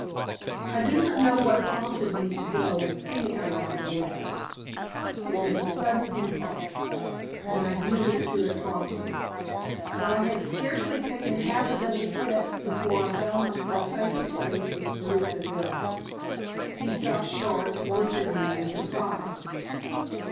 I do not know what prompted me to go and see Adelaide Fortress. It was a sudden impulse, and I yielded to it promptly. But I had scarcely taken half a dozen steps before I found myself face to face with Bruce Deville. He stopped short, and looked at me with surprise.